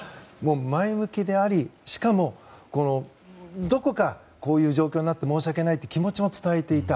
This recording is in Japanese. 前向きであり、しかも、どこかこういう状況になって申し訳ないという気持ちも伝えていた。